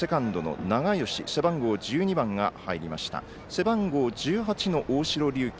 背番号１８の大城龍紀